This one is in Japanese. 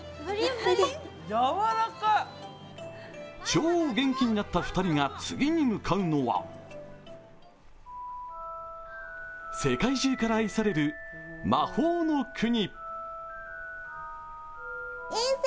超元気になった２人が次に向かうのは世界中から愛される魔法の国。